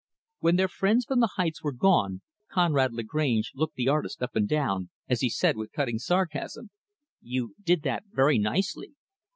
When their friends from the Heights were gone, Conrad Lagrange looked the artist up and down, as he said with cutting sarcasm, "You did that very nicely.